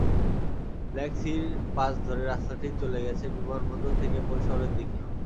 Black সির পাশ ধরে রাস্তাটি চলে গেছে বিমানবন্দর থেকে মূল শহরের দিকে।